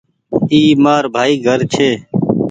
اي مآر ڀآئي گھرڇي۔